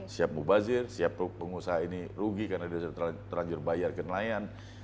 siap mubazir siap pengusaha ini rugi karena dia sudah terlanjur bayar ke nelayan